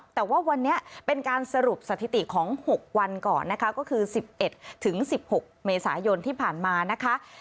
แต่ว่าวันนี้เป็นการสรุปสถิติของ๖วันก่อนนะคะก็คือ๑๑๑๖เมษายนที่ผ่านมานะคะ